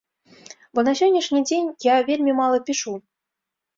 Бо на сённяшні дзень я вельмі мала пішу.